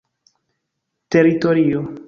teritorio